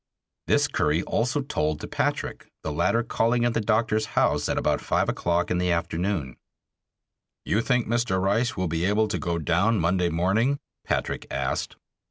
This Curry also told to Patrick, the latter calling at the doctor's house about five o'clock in the afternoon. "You think Mr. Rice will be able to go down Monday morning?" Patrick asked.